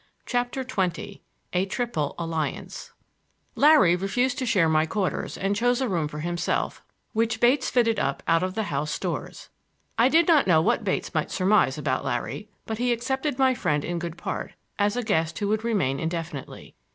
CHAPTER XX A TRIPLE ALLIANCE Larry refused to share my quarters and chose a room for himself, which Bates fitted up out of the house stores. I did not know what Bates might surmise about Larry, but he accepted my friend in good part, as a guest who would remain indefinitely.